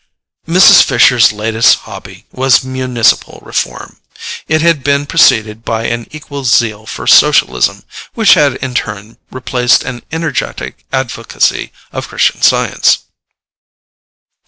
Mrs. Fisher's latest hobby was municipal reform. It had been preceded by an equal zeal for socialism, which had in turn replaced an energetic advocacy of Christian Science.